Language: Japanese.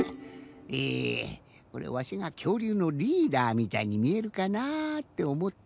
えこれわしがきょうりゅうのリーダーみたいにみえるかなっておもったんだけど。